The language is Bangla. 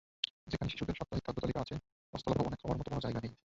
সেখানে শিশুদের সাপ্তাহিক খাদ্যতালিকা আছে, পাঁচতলা ভবনে খাওয়ার মতো কোনো জায়গা নেই।